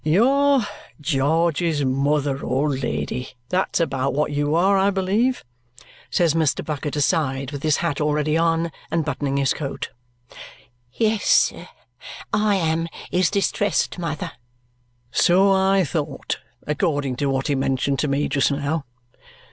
"You're George's mother, old lady; that's about what you are, I believe?" says Mr. Bucket aside, with his hat already on and buttoning his coat. "Yes, sir, I am his distressed mother." "So I thought, according to what he mentioned to me just now.